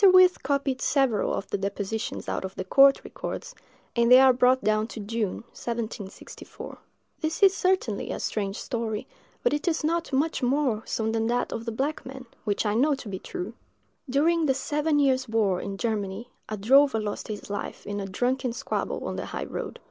Wirth copied several of the depositions out of the court records, and they are brought down to June, 1764. This is certainly a strange story; but it is not much more so than that of the black man, which I know to be true. During the seven years' war in Germany, a drover lost his life in a drunken squabble on the high road.